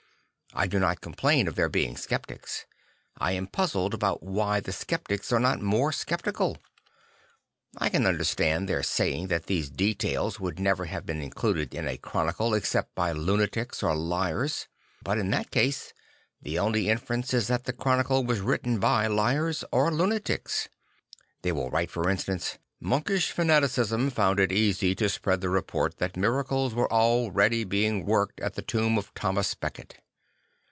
I do not complain of their being sceptics; I am puzzled about why the sceptics are not more sceptical. I can under stand their saying that these details would never have been included in a chronicle except by lunatics or liars; but in that case the only infer ence is that the chronicle was written by liars or lunatics. They will write for instance: "Monkish fanaticism found it easy to spread the report that miracles were already being worked at the tomb of Thomas Becket."